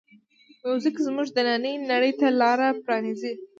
موزیک زمونږ دنننۍ نړۍ ته لاره پرانیزي.